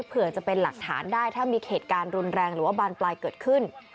เผื่อจะเป็นหลักฐานได้ถ้ามีเหตุการณ์รุนแรงหรือว่าบานปลายเกิดขึ้น